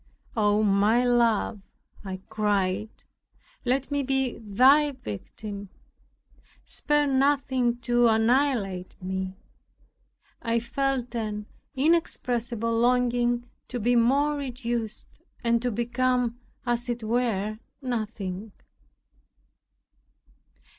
"Oh, my Love," I cried, "let me be thy victim! Spare nothing to annihilate me." I felt an inexpressible longing to be more reduced, and to become, as it were, nothing.